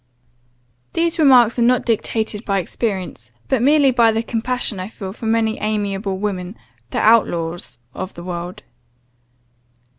"These remarks are not dictated by experience; but merely by the compassion I feel for many amiable women, the outlaws of the world.